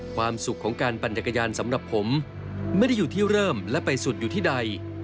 ความสุขของการปั่นจักรยานสำหรับผมไม่ได้อยู่ที่เริ่มและไปสุดอยู่ที่ใด